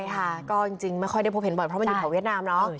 ใช่ค่ะก็จริงไม่ค่อยได้พบเห็นบ่อยเพราะมันอยู่แถวเวียดนามเนาะ